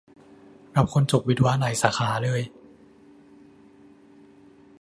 รับคนจบวิศวะหลายสาขาเลย